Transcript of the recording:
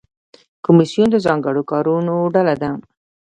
کمیسیون د ځانګړو کارونو ډله ده